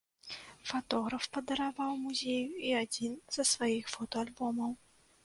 Фатограф падараваў музею і адзін са сваіх фотаальбомаў.